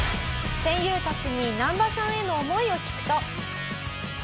「戦友たちにナンバさんへの思いを聞くと」